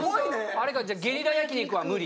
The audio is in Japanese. あれかじゃあゲリラ焼き肉は無理？